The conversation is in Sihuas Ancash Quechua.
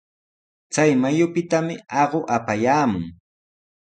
Chay mayupitami aqu apayaamun.